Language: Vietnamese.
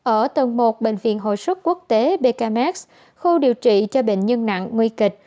ở tầng một bệnh viện hội sức quốc tế khu điều trị cho bệnh nhân nặng nguy kịch